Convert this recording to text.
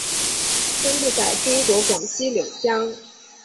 分布于中国广西柳江。